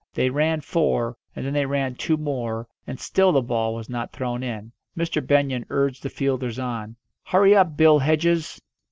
They ran four, and then they ran two more, and still the ball was not thrown in. Mr. Benyon urged the fielders on. "Hurry up, Bill Hedges!"